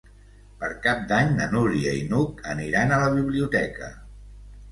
Per Cap d'Any na Núria i n'Hug aniran a la biblioteca.